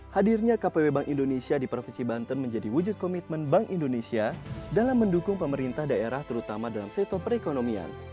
hadirnya kpw bank indonesia di provinsi banten menjadi wujud komitmen bank indonesia dalam mendukung pemerintah daerah terutama dalam sektor perekonomian